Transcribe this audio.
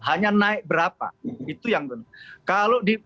hanya naik berapa itu yang benar